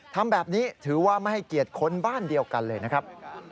ทำแบบนี้ถือว่าไม่ให้เกียรติคนบ้านเดียวกันเลยนะครับ